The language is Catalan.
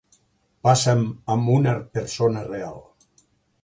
Passa'm amb una persona real.